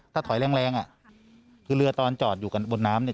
ถ้าถอยแรงแรงอ่ะคือเรือตอนจอดอยู่กันบนน้ำเนี่ย